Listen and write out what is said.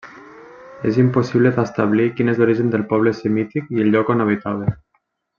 És impossible d'establir quin és l'origen del poble semític i el lloc on habitava.